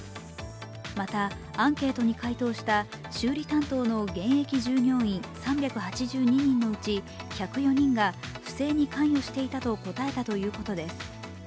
また、アンケートに回答した修理担当の現役従業員３８２人のうち１０４人が不正に関与していたと答えたということです。